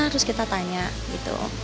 terus kita tanya gitu